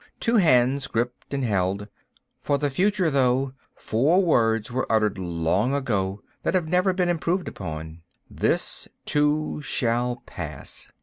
Two hands gripped and held. "For the future, though, four words were uttered long ago, that have never been improved upon. 'This, too, shall pass.'"